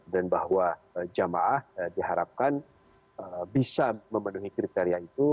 dan bahwa jamaah diharapkan bisa memenuhi kriteria itu